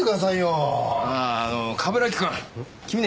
あああの冠城くん君ね